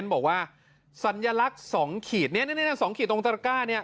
บอกว่าสัญลักษณ์สองขีดเนี้ยเนี้ยสองขีดตรงตะก้าเนี้ย